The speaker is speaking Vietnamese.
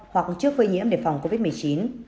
hoặc trước phơi nhiễm để phòng covid một mươi chín